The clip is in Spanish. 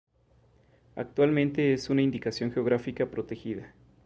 Actualmente es una Indicación Geográfica protegida.